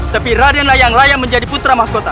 tapi raden lah yang layak menjadi putra mahkota